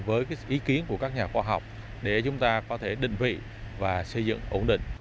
với ý kiến của các nhà khoa học để chúng ta có thể định vị và xây dựng ổn định